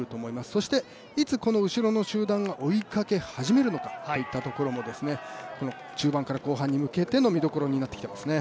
そしていつこの後ろの集団が追いかけ始めるのかといったところもこの中盤から後半に向けての見どころになってきていますね。